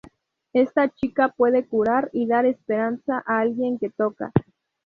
Esta chica puede curar y dar esperanza a alguien que toca.